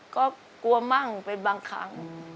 ก็กลัวมั่งเป็นบางครั้ง